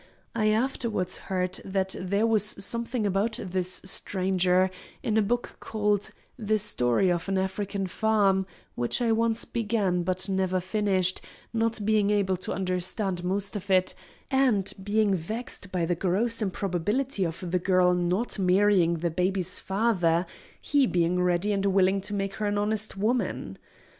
I afterwards heard that there was something about this stranger in a book called "The Story of an African Farm," which I once began, but never finished, not being able to understand most of it, and being vexed by the gross improbability of the girl not marrying the baby's father, he being ready and willing to make her an honest woman.